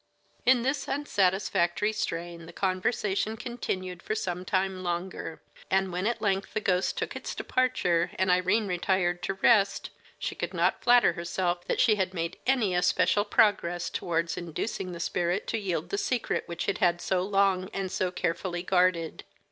In this unsatisfactory strain the conversation continued for some time longer; and when at length the ghost took its departure, and Irene retired to rest, she could not flatter herself that she had made any especial progress toward inducing the spirit to yield the secret which it had so long and so carefully guarded.